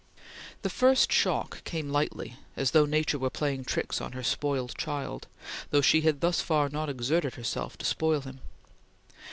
The first shock came lightly, as though Nature were playing tricks on her spoiled child, though she had thus far not exerted herself to spoil him.